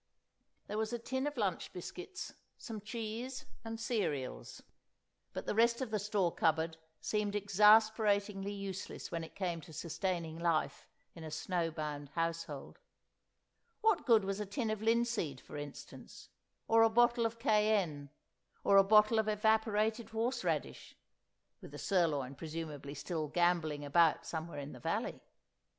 There was a tin of lunch biscuits, some cheese, and cereals; but the rest of the store cupboard seemed exasperatingly useless when it came to sustaining life in a snow bound household. What good was a tin of linseed, for instance, or a bottle of cayenne, or a bottle of evaporated horse radish (with the sirloin presumably still gambolling about somewhere in the valley)?